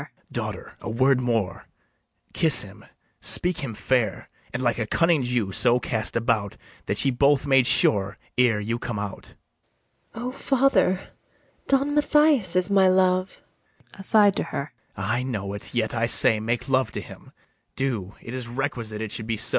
Daughter, a word more: kiss him, speak him fair, And like a cunning Jew so cast about, That ye be both made sure ere you come out. [Aside to her.] ABIGAIL. O father, Don Mathias is my love! BARABAS. I know it: yet, I say, make love to him; Do, it is requisite it should be so.